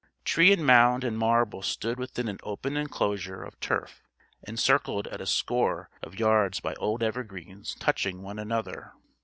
Tree and mound and marble stood within an open enclosure of turf encircled at a score of yards by old evergreens touching one another.